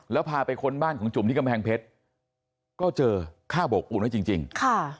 แล้วพาไปค้นบ้านของจุ่มที่กำแพงเพชรก็เจอฆ่าโบกอุ่นไว้จริงจริงค่ะ